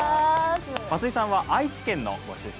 松井さんは愛知県のご出身。